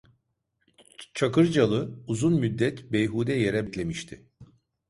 Çakırcalı uzun müddet beyhude yere beklemişti.